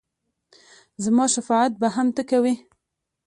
زما شفاعت به هم ته کوې !